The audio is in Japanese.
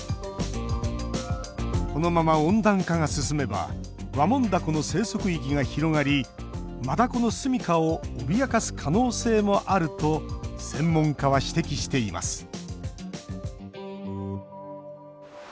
このまま温暖化が進めばワモンダコの生息域が広がりマダコの住みかを脅かす可能性もあると専門家は指摘しています。